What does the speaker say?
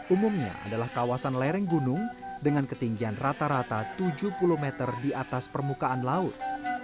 umumnya adalah kawasan lereng gunung dengan ketinggian rata rata tujuh puluh meter di atas permukaan laut